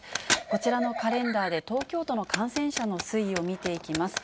こちらのカレンダーで東京都の感染者の推移を見ていきます。